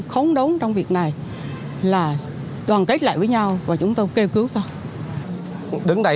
khó đấu trong việc này là đoàn kết lại với nhau và chúng tôi kêu cứu thôi